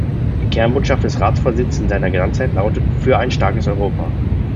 Die Kernbotschaft des Ratsvorsitzes in seiner Ganzheit lautet "Für ein starkes Europa".